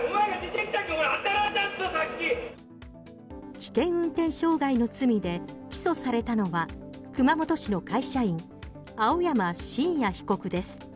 危険運転傷害の罪で起訴されたのは熊本市の会社員青山真也被告です。